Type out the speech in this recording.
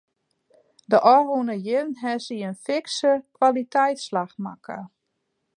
De ôfrûne jierren hawwe se in fikse kwaliteitsslach makke.